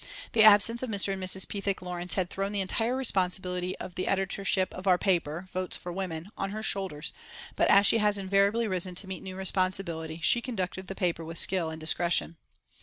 The absence of Mr. and Mrs. Pethick Lawrence had thrown the entire responsibility of the editorship of our paper, Votes for Women, on her shoulders, but as she has invariably risen to meet new responsibility, she conducted the paper with skill and discretion.